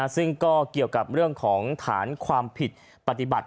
ซึ่งก็เกี่ยวกับเรื่องของฐานความผิดปฏิบัติ